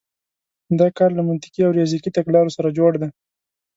دا کار له منطقي او ریاضیکي تګلارو سره جوړ دی.